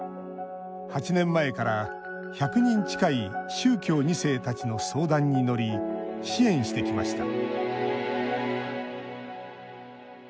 ８年前から１００人近い宗教２世たちの相談に乗り支援してきました